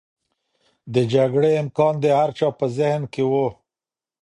د جګړې امکان د هر چا په ذهن کې و.